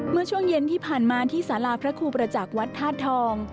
เมื่อช่วงเย็นที่ผ่านมาที่สาราพระครูประจักษ์วัดธาตุทอง